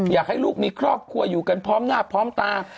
อยากให้ลูกมีครอบครัวอยู่กันพร้อมหน้าพร้อมตา